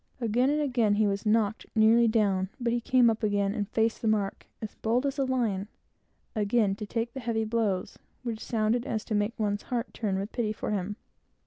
Time after time he was knocked nearly down, but up he came again and faced the mark, as bold as a lion, again to take the heavy blows, which sounded so as to make one's heart turn with pity for him.